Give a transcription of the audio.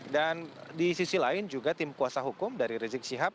dan di sisi lain juga tim kuasa hukum dari rizik sihab